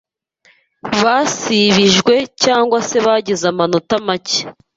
basibijwe cyangwa se bagize amanota make